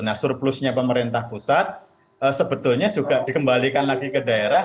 nah surplusnya pemerintah pusat sebetulnya juga dikembalikan lagi ke daerah